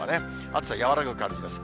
暑さ和らぐ感じです。